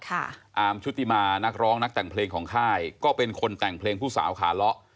อาร์มชุติมานักร้องนักแต่งเพลงของค่ายก็เป็นคนแต่งเพลงผู้สาวขาเลาะ